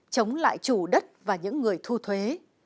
chống lại chủ đất và những người thu thuế